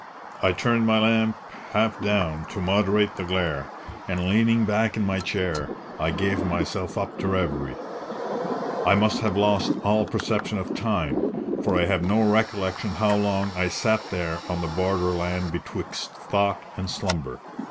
I turned my lamp half down to moderate the glare, and leaning back in my chair, I gave myself up to reverie. I must have lost all perception of time, for I have no recollection how long I sat there on the borderland betwixt thought and slumber.